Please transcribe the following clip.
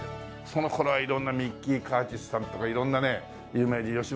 その頃は色んなミッキー・カーチスさんとか色んなね有名人芳村真理